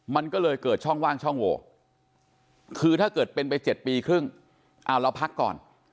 มันก็เลยเกิดช่องว่างช่องโหวคือถ้าเกิดเป็นไป๗ปีครึ่งเอาเราพักก่อน